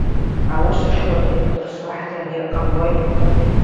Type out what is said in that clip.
Аус ахьууа директорс уаҳҭаргьы ҟамлои.